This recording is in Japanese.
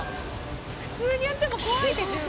普通にやっても怖いって十分。